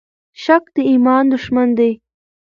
شک د ایمان دښمن دی.